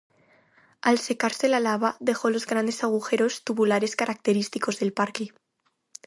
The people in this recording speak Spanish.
Al secarse la lava dejó los grandes agujeros tubulares característicos del parque.